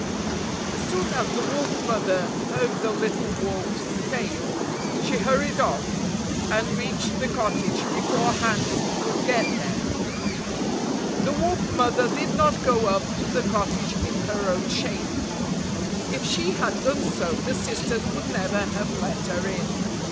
As soon as the Wolf Mother heard the little wolfs tale, she hurried off, and reached the cottage before Hans could get there. The Wolf Mother did not go up to the cot tage in her own shape. If she had done so, the sisters would never have let her in.